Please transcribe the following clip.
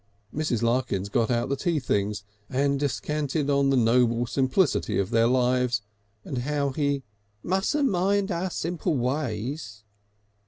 Mrs. Larkins got out tea things, and descanted on the noble simplicity of their lives, and how he "mustn't mind our simple ways."